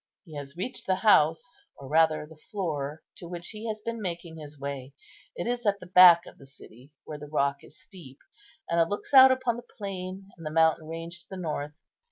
He has reached the house, or rather the floor, to which he has been making his way. It is at the back of the city, where the rock is steep; and it looks out upon the plain and the mountain range to the north.